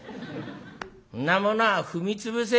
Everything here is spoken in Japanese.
「そんなものは踏み潰せ」。